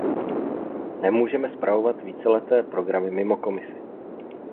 Nemůžeme spravovat víceleté programy mimo Komisi.